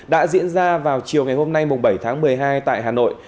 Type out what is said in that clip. đã diễn ra vào chiều ngày hôm nay bảy tháng một mươi hai tại hà nội